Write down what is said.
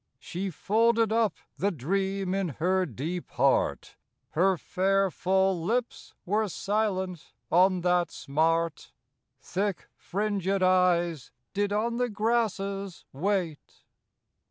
She folded up the dream in her deep heart, Her fair full lips were silent on that smart, Thick fringed eyes did on the grasses wait.